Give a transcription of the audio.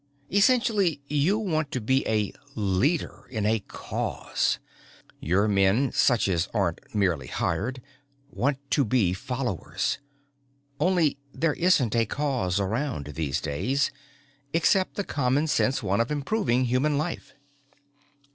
Essentially you want to be a Leader in a Cause. Your men, such as aren't merely hired, want to be Followers. Only there isn't a Cause around, these days, except the common sense one of improving human life."